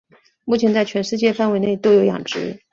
目前在全世界范围内都有养殖。